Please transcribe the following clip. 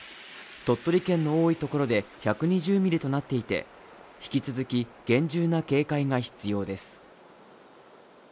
鳥取県の多いところで１２０ミリとなっていて、引き続き厳重な警戒が必要です。